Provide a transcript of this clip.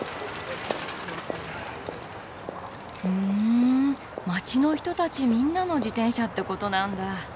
ふん街の人たちみんなの自転車って事なんだ。